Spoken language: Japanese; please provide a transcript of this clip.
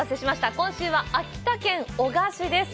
今週は秋田県男鹿市です。